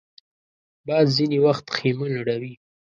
باد ځینې وخت خېمه نړوي